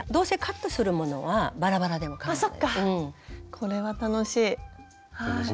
これは楽しい。